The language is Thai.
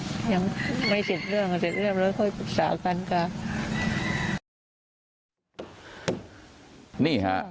ก็ยังไม่เสร็จเรื่องร่อย